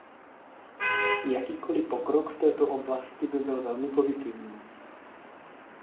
Jakýkoli pokrok v této oblasti by byl velmi pozitivní.